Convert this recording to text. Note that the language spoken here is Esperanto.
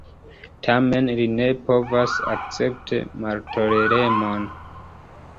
Tamen li ne povas akcepti maltoleremon.